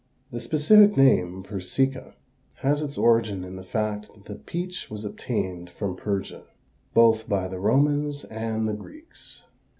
The specific name persica, has its origin in the fact that the peach was obtained from Persia, both by the Romans and the Greeks.